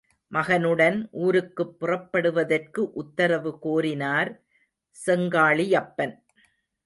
மகனுடன் ஊருக்குப் புறப்படுவதற்கு உத்தரவு கோரினார் செங்காளியப்பன்.